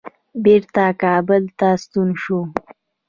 بیرته کابل ته ستون شو.